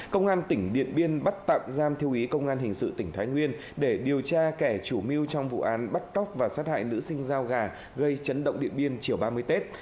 công an tỉnh điện biên bắt tạm giam thiêu ý công an hình sự tỉnh thái nguyên để điều tra kẻ chủ mưu trong vụ án bắt cóc và sát hại nữ sinh giao gà gây chấn động địa biên chiều ba mươi tết